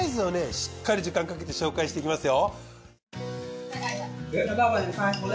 しっかり時間かけて紹介していきますよ。